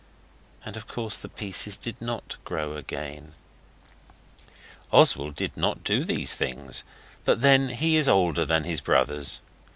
And of course the pieces did not grow again. Oswald did not do things like these, but then he is older than his brothers.